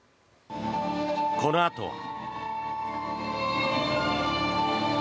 このあとは。